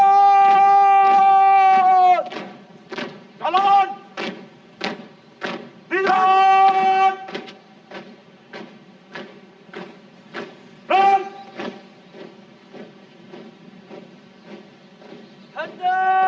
kembali ke tempat